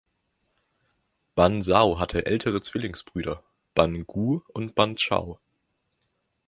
Ban Zhao hatte ältere Zwillingsbrüder, Ban Gu und Ban Chao.